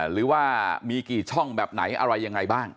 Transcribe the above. หรือว่ามีกี่ช่องแบบไหนอะไรยังไงบ้าง